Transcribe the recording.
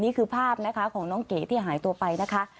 นี่คือภาพนะคะของน้องเก๋ที่หายตัวไปนะคะ